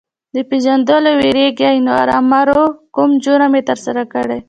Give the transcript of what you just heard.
د پېژندلو وېرېږي نو ارومرو کوم جرم یې ترسره کړی.